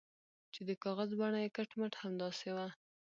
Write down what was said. چې د کاغذ بڼه یې کټ مټ همداسې وه.